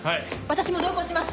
私も同行します！